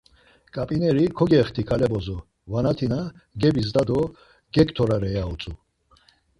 Ǩap̌ineri kogexti kale bozo, Varnatina gebizda do gektorare ya utzu.